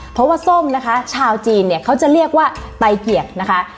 เพราะว่าส้มนะคะชาวจีนเนี่ยเขาจะเรียกว่าไตเกียรตินะคะ